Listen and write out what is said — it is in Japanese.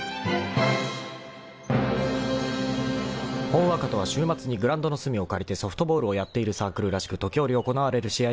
［「ほんわか」とは週末にグラウンドの隅を借りてソフトボールをやっているサークルらしく時折行われる試合にだけ参加］